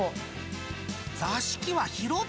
座敷は広々。